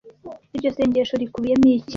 iryo sengesho rikubiyemo iki